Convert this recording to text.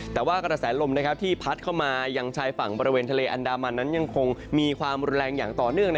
แต่ว่ากระแสลมที่พัดเข้ามายังชายฝั่งบริเวณทะเลอันดามันนั้นยังคงมีความรุนแรงอย่างต่อเนื่อง